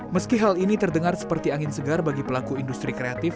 meski hal ini terdengar seperti angin segar bagi pelaku industri kreatif